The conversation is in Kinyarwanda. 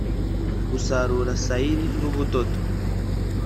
Gusarura sayiri n ubudodo